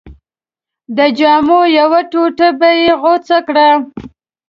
د جامو یوه ټوټه به یې غوڅه کړه.